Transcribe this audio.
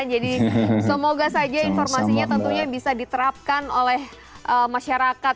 jadi semoga saja informasinya tentunya bisa diterapkan oleh masyarakat